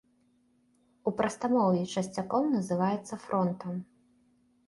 У прастамоўі часцяком называецца фронтам.